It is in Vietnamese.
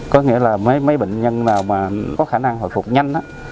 có nghĩa là mấy bệnh nhân nào mà có khả năng hồi phục nhanh